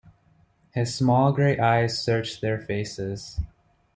His small grey eyes searched their faces.